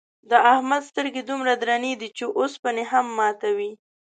د احمد سترگې دومره درنې دي، چې اوسپنې هم ماتوي.